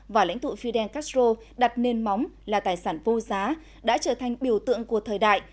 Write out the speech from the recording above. và lãnh tụ fidel castro đặt nền móng là tài sản vô giá đã trở thành biểu tượng của thời đại